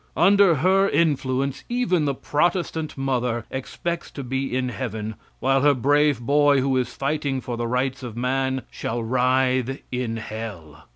Under her influence even the Protestant mother expects to be in heaven, while her brave boy, who is fighting for the rights of man, shall writhe in hell.